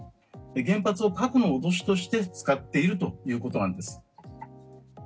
原発を核の脅しとして使っているということです。